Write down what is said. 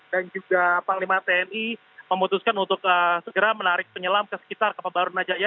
dan juga panglima tni memutuskan untuk segera menarik penyelam ke sekitar kapal barunajaya